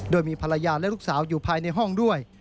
โดยมีภรรยาและลูกสาวอยู่ภายในห้องด้วย